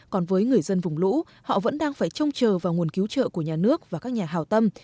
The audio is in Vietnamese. còn với người dân vùng lũ họ vẫn đang phải trông chờ vào nguồn cứu trợ của nhà nước và các nhà hào tâm